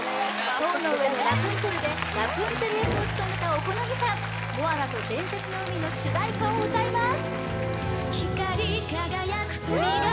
「塔の上のラプンツェル」でラプンツェル役を務めた小此木さん「モアナと伝説の海」の主題歌を歌います・